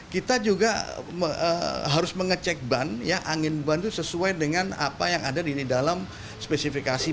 kita juga harus mengecek ban ya angin ban itu sesuai dengan apa yang ada di dalam spesifikasi